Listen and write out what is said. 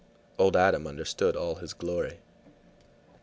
Old Adam understood all his glory.